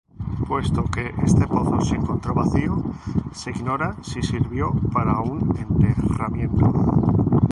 Puesto que este pozo se encontró vacío, se ignora si sirvió para un enterramiento.